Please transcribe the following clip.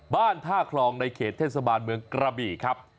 บ้านท่าคลองในเขตเทศบาลเมืองกระบี่ครับ